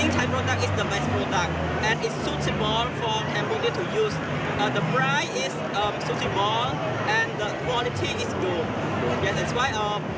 เพราะว่าผมอยากใช้สินค้าไทย